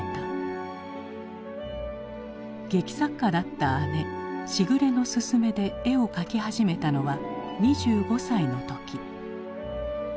劇作家だった姉時雨の勧めで絵を描き始めたのは２５歳の時。